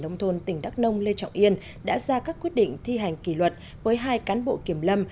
nông thôn tỉnh đắk nông lê trọng yên đã ra các quyết định thi hành kỷ luật với hai cán bộ kiểm lâm